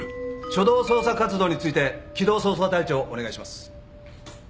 初動捜査活動について機動捜査隊長お願いします。